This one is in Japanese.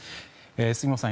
杉本さん